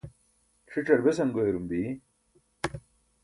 ṣic̣ar besan goyarum bi?